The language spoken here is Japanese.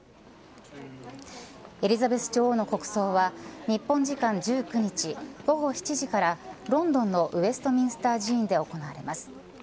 エリザベス女王の国葬は日本時間１９日午後７時からロンドンのウェントミンスター寺院で行われます。